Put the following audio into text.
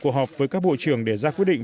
cuộc họp với các bộ trưởng để ra quyết định